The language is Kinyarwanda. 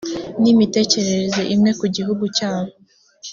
n imitekerereze imwe ku gihugu cyabo